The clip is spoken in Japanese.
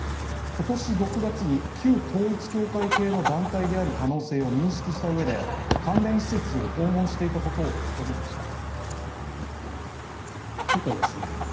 今年６月に、旧統一教会系の団体である可能性を認識したうえで関連施設を訪問していたことを認めました。